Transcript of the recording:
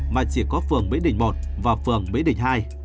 mà chỉ có phường mỹ đình một và phường mỹ đình hai